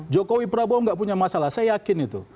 jokowi prabowo gak punya masalah saya yakin itu